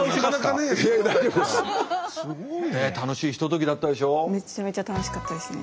ねえ楽しいひとときだったでしょ？